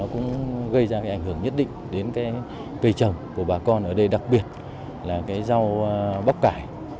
cái ảnh hưởng nhất định đến cái cây trầm của bà con ở đây đặc biệt là cái rau bắp cải